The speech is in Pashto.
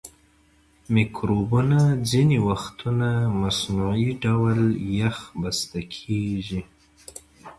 مکروبونه ځینې وختونه مصنوعي ډول یخ بسته کیږي.